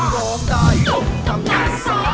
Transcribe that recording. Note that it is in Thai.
ร้องได้ยกกำลังซ่า